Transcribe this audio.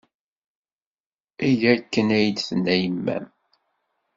Eg akken ay d-tenna yemma-m.